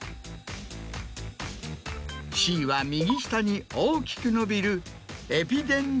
Ｃは右下に大きく伸びる。